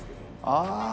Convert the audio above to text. ああ。